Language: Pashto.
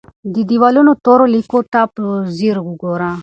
د دیوالونو تورو لیکو ته په ځیر وګوره.